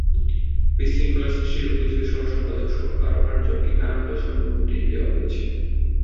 বিশৃঙ্খলা সৃষ্টির অভিযোগে সহসম্পাদকসহ আরও আটজনকে কারণ দর্শানোর নোটিশ দেওয়া হয়েছে।